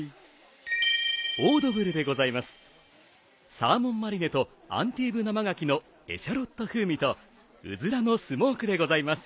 サーモンマリネとアンティーブ生がきのエシャロット風味とうずらのスモークでございます。